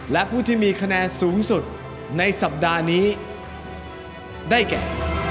และผู้ที่มีคะแนนสูงสุดในสัปดาห์นี้ได้แก่